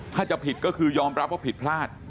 ถ้าจะผิดก็คือยอมรับว่าผิดพลาด